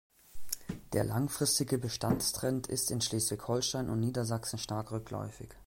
Der langfristige Bestandstrend ist in Schleswig-Holstein und Niedersachsen stark rückläufig.